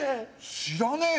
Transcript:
知らねえよ